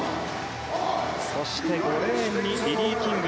そして、５レーンにリリー・キング。